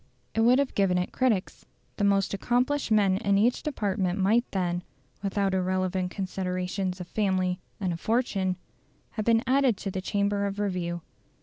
It would have given it critics. The most accomplished men in each department might then, without irrelevant considerations of family and of fortune, have been added to the Chamber of Review.